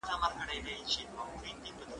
زه هره ورځ سندري اورم!؟